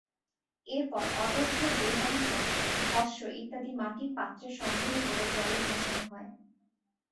এরপর অদগ্ধ দেহাংশ, ভস্ম ইত্যাদি মাটির পাত্রে সংগ্রহ করে জলে ভাসানো হয়।